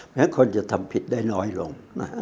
คนจะทำผิดได้น้อยลง